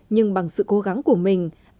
nhưng bằng sự cố gắng của mọi người